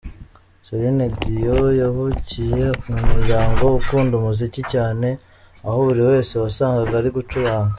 Celine Dion yavukiye mu muryango ukunda umuziki cyane, aho buri wese wasangaga ari gucuranga.